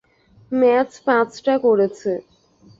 ম্যাভ পাঁচটা করেছে।